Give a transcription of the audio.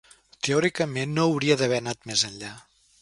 Teòricament, no hauria d'haver anat més enllà.